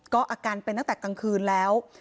ก็อาการเป็นตั้งแต่กลางคืนแล้ว